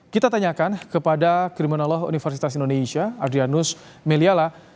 kita tanyakan kepada kriminolog universitas indonesia adrianus meliala